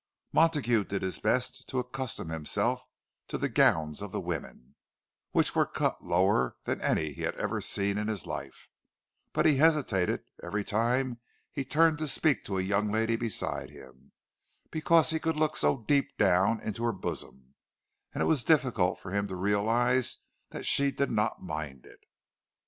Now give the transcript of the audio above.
Montague did his best to accustom himself to the gowns of the women, which were cut lower than any he had ever seen in his life; but he hesitated every time he turned to speak to the young lady beside him, because he could look so deep down into her bosom, and it was difficult for him to realize that she did not mind it.